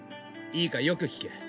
いいかよく聞け。